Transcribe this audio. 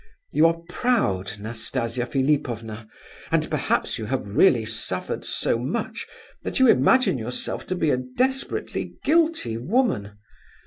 You are proud, Nastasia Philipovna, and perhaps you have really suffered so much that you imagine yourself to be a desperately guilty woman.